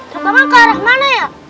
terpamang ke arah mana ya